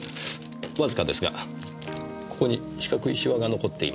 わずかですがここに四角いシワが残っています。